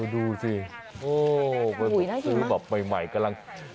ดูสิซื้อแบบใหม่กำลัง